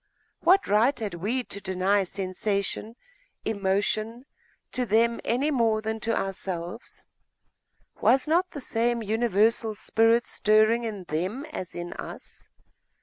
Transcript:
What right had we to deny sensation, emotion, to them, any more than to ourselves? Was not the same universal spirit stirring in them as in us?